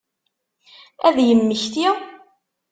Ad yemmekti?